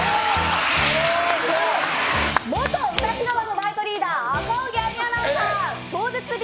元歌広場のバイトリーダー赤荻歩アナウンサー、超絶Ｂ